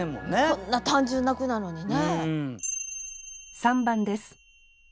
こんな単純な句なのにね。